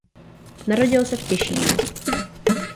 Narodil se v Těšíně.